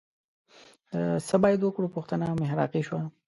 د څه باید وکړو پوښتنه محراقي شوه